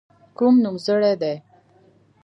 کوم نومځري دي.